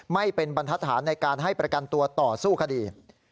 ไม่เป็นบรรทัศนในการให้ประกันตัวต่อสู้คดี